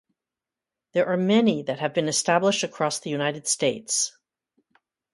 There are many that have been established across the United States.